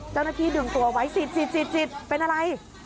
เจ้าหน้าที่ดึงตัวไว้ติดเป็นอะไร